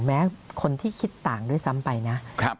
แม้คนที่คิดต่างด้วยซ้ำไปนะ